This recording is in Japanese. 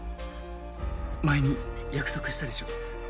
前に約束したでしょ？